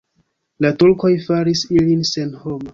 La turkoj faris ilin senhoma.